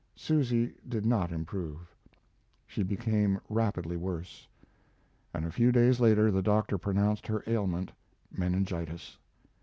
Susy did not improve. She became rapidly worse, and a few days later the doctor pronounced her ailment meningitis.